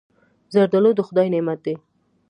زردالو د خدای نعمت دی.